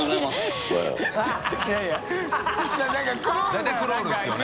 大体クロールですよね。